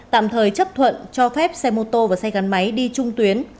tạm thời chấp thuận cho phép xe mô tô và xe gắn máy đi chung tuyến